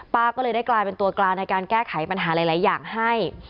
ก็เลยได้กลายเป็นตัวกลางในการแก้ไขปัญหาหลายอย่างให้